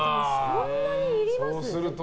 そんなにいります？